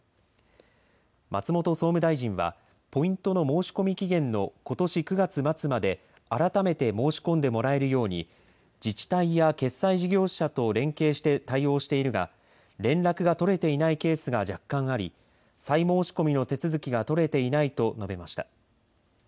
松本総務大臣はポイントの申し込み期限のことし９月末まで改めて申し込んでもらえるように自治体や決済事業者と連携して対応しているが連絡が取れていないケースが若干あり再申し込みの手続きが取れていないと述べました。